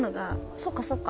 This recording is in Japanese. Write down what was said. そっかそっか。